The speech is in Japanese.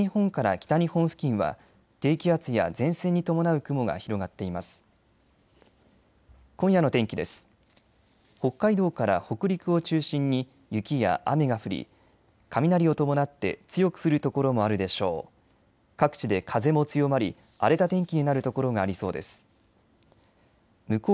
北海道から北陸を中心に雪や雨が降り雷を伴って強く降る所もあるでしょう。